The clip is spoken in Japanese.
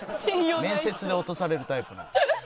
面接で落とされるタイプの。